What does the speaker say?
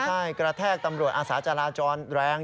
ใช่กระแทกตำรวจอาสาจราจรแรง